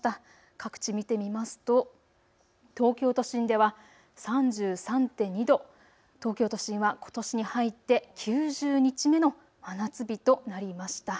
各地見てみますと東京都心では３３．２度、東京都心はことしに入って９０日目の真夏日となりました。